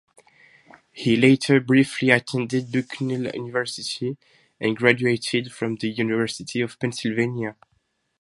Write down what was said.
He later briefly attended Bucknell University and graduated from the University of Pennsylvania.